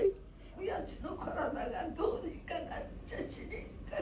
おやじの体がどうにかなっちゃしねえかしら。